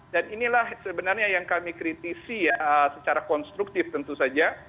dan inilah sebenarnya yang kami kritisi secara konstruktif tentu saja